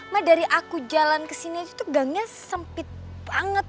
ma dari aku jalan kesini aja tuh gangnya sempit banget